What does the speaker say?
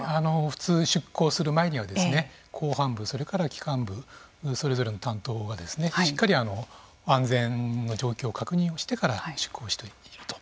普通、出航する前には甲板部、それから機関部それぞれの担当がしっかり安全の状況を確認してから出航していると。